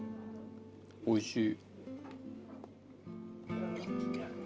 おいしい。